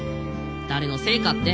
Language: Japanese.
誰のせいかって？